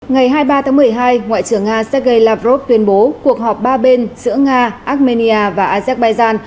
ngày hai mươi ba tháng một mươi hai ngoại trưởng nga sergei lavrov tuyên bố cuộc họp ba bên giữa nga armenia và azerbaijan